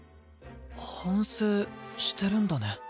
反省してるんだね。